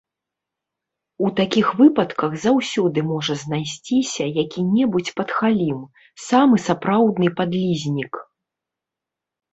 У такіх выпадках заўсёды можа знайсціся які-небудзь падхалім, самы сапраўдны падлізнік.